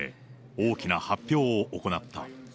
大きな発表を行った。